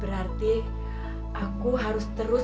berarti aku harus terus